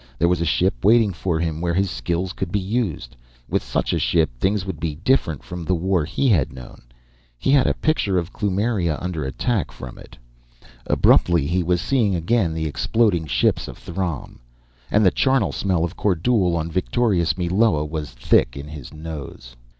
There was a ship waiting for him, where his skills could be used. With such a ship, things would be different from the war he had known. He had a picture of Kloomiria under attack from it. Abruptly, he was seeing again the exploding ships of Throm, and the charnel smell of Kordule on victorious Meloa was thick in his nose.